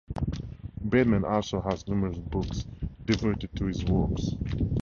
Bateman also has numerous books devoted to his works.